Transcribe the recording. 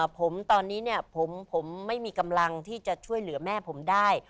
ผมตอนนี้ผมไม่มีกำลังที่จะช่วยเหลือแม่ผมได้